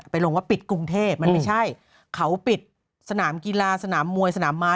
ลงว่าปิดกรุงเทพมันไม่ใช่เขาปิดสนามกีฬาสนามมวยสนามม้า